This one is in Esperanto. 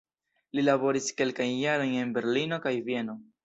Li laboris kelkajn jarojn en Berlino kaj Vieno.